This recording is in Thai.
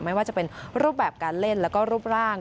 ไม่ว่าจะเป็นรูปแบบการเล่นแล้วก็รูปร่าง